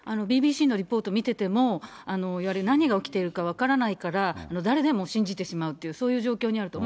ＢＢＣのリポートを見てても、何が起きているか分からないから、誰でも信じてしまうと、そういう状況にあると。